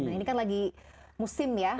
nah ini kan lagi musim ya